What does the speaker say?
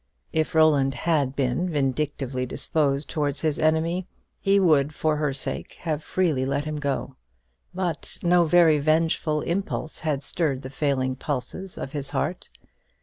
If Roland had been vindictively disposed towards his enemy, he would, for her sake, have freely let him go: but no very vengeful impulse had stirred the failing pulses of his heart.